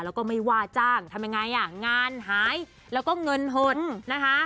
แล้วก็ไม่ว่าจ้างทำยังไงอ่ะงานหายแล้วก็เงินหดนะคะ